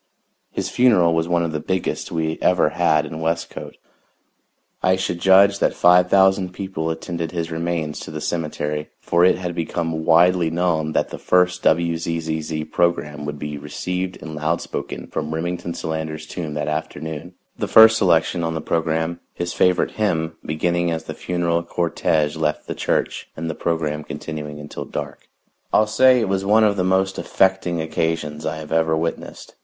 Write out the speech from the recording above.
His funeral was one of the biggest we ever had in Westcote. I should judge that five thousand people attended his remains to the cemetery, for it had become widely known that the first WZZZ program would be received and loud spoken from Remington Solander's tomb that afternoon, the first selection on the program his favorite hymn beginning as the funeral cortege left the church and the program continuing until dark. I'll say it was one of the most affecting occasions I have ever witnessed.